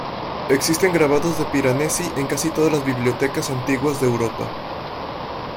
Existen grabados de Piranesi en casi todas las bibliotecas antiguas de Europa.